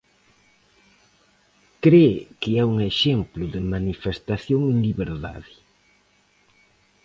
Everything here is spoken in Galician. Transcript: Cre que é un exemplo de manifestación en liberdade.